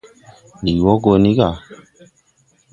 Ndi wɔ gɔ ni ga.